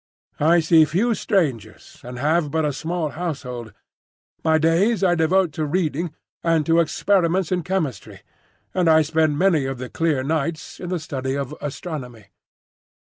I see few strangers, and have but a small household. My days I devote to reading and to experiments in chemistry, and I spend many of the clear nights in the study of astronomy.